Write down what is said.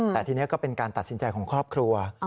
แต่ทีนี้ก็เป็นการตัดสินใจของครอบครัว